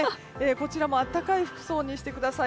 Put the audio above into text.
こちらも暖かい服装にしてください。